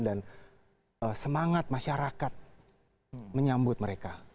dan semangat masyarakat menyambut mereka